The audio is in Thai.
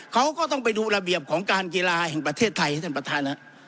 เขาก็ต้องไปดูระเบียบของการกีฬาแห่งประเทศไทยท่านประธาน